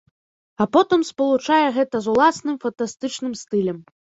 А потым спалучае гэта з уласным, фантастычным стылем.